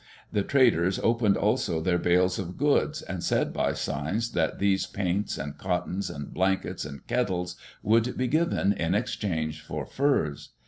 The traders opened also their bale of goods, and said by signs that these paints and cottons and blankets and kettles would be given in exchange for furs.